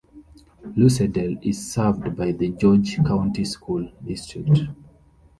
Lucedale is served by the George County School District.